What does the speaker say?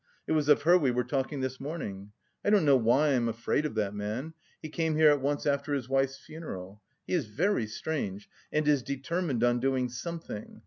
It was of her we were talking this morning. I don't know why I'm afraid of that man. He came here at once after his wife's funeral. He is very strange, and is determined on doing something....